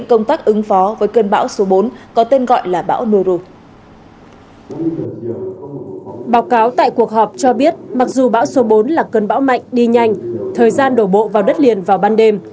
các bạn có biết mặc dù bão số bốn là cơn bão mạnh đi nhanh thời gian đổ bộ vào đất liền vào ban đêm